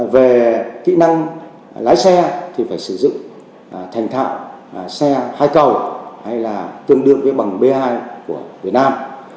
về kỹ năng lái xe thì phải sử dụng thành thạo xe hai cầu hay là tương đương với bằng b hai của việt nam